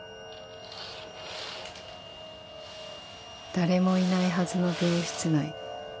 ［誰もいないはずの病室内］